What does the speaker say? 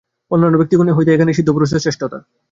অন্যান্য ব্যক্তিগণ হইতে এখানেই সিদ্ধপুরুষের শ্রেষ্ঠতা।